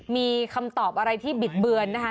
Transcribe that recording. มีคำตอบอะไรที่บิดเบือนนะคะ